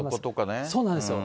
そうなんですよ。